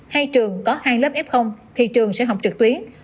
hay trường có hai lớp f thì trường sẽ học trực tuyến